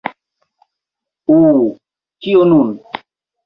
Uh... kio nun?